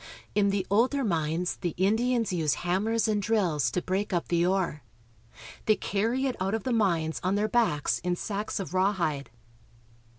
In the older mines^the Indians use hammers and drills to break up the ore. They carry it out of the mines on their backs in sacks of rawhide.